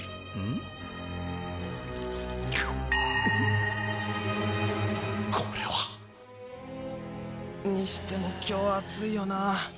んっこれは！にしても今日暑いよなあ。